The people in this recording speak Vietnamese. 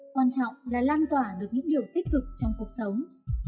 quan trọng là lan tỏa được những điều tích cực trong cuộc sống